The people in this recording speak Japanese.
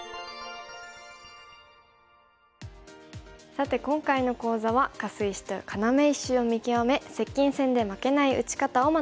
さて今回の講座はカス石と要石を見極め接近戦で負けない打ち方を学びました。